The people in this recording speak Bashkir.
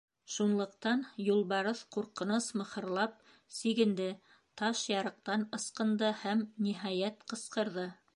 Шунлыҡтан юлбарыҫ ҡурҡыныс мыхырлап сигенде, таш ярыҡтан ысҡынды һәм, ниһайәт, ҡысҡырҙы: